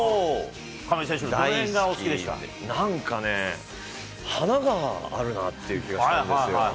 亀井選手、なんかね、華があるなっていう気がするんですよ。